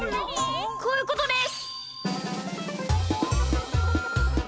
こういうことです！